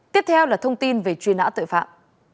tiếp theo là thông tin về truy nã tội phạm